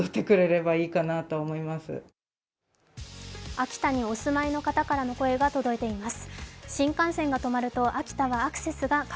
秋田にお住まいの方からの声が届いています。